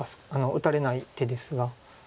打たれない手ですが。